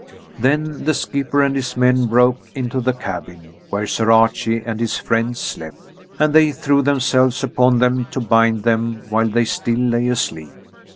Then the skipper and his men broke into the cabin where Sir Archie and his friends slept. And they threw themselves upon them to bind them while they still lay asleep.